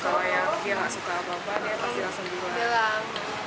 kalau yang dia nggak suka apa apa dia pasti langsung bilang